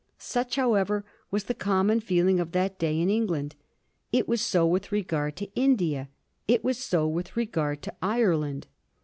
Such, however, was the common feeling of that day in England. It was so with regard to India ; it was so with regard to Ireland.